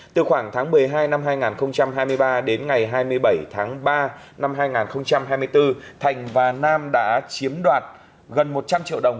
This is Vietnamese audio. từ khoảng tháng một mươi hai năm hai nghìn hai mươi ba đến ngày hai mươi bảy tháng ba năm hai nghìn hai mươi bốn thành và nam đã chiếm đoạt gần một trăm linh triệu đồng